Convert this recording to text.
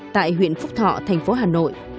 tại huyện phúc thọ thành phố hà nội